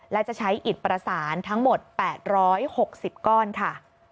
และจะใช้อิดประสานทั้งหมด๘๖๐ก้อนค่ะ